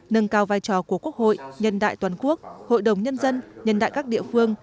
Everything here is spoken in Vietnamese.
nâng cao vai trò của quốc hội nhân đại toàn quốc hội đồng nhân dân nhân đại các địa phương